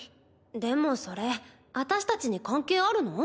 でもそれ私たちに関係あるの？